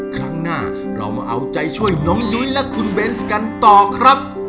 ครั้งหน้าเรามาเอาใจช่วยน้องยุ้ยและคุณเบนส์กันต่อครับ